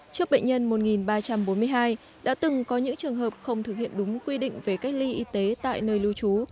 trước bệnh nhân một ba trăm bốn mươi hai đã từng có những trường hợp không thực hiện đúng quy định về cách ly y tế tại nơi lưu trú